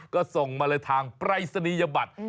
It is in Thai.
ก็ส่งมาเลยทางปรายศนียบัตร